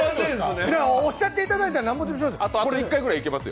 おっしゃっていただいたらなんぼでも、しますよ。